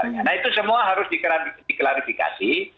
nah itu semua harus diklarifikasi